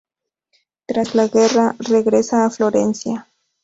Tras la guerra, regresa a Florencia.